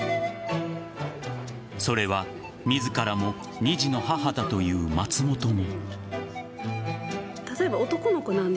それは自らも２児の母だという松本も。